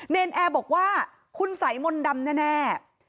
เนรนแอบบอกว่าหุ้นสายมนต์ดำแน่